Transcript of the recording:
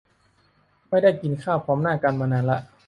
ไม่ได้กินข้าวพร้อมหน้ากันมานานละ